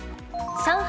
上海